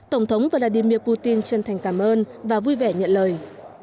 tổng thống vladimir putin chân thành cảm ơn và vui vẻ nhận lời